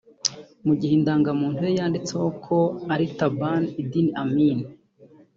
mu gihe indangamuntu ye yanditseho ko ari Taban Idi Amin